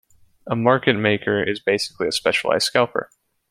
A market maker is basically a specialized scalper.